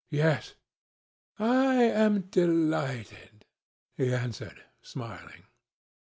"Yes." "I am delighted," he answered, smiling.